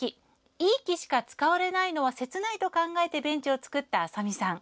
いい木しか使われないのは切ないと考えてベンチを作った浅見さん。